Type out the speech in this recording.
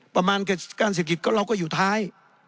ประมาณการเศรษฐกิจก็เราก็อยู่ท้าย